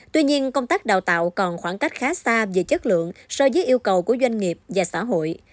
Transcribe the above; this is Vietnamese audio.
tuy nhiên công tác đào tạo còn khoảng cách khá xa về chất lượng so với yêu cầu của doanh nghiệp và xã hội